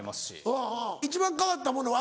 うんうん一番変わったものは？